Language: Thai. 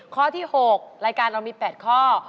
ข้อที่๖รายการเรามี๘ข้อ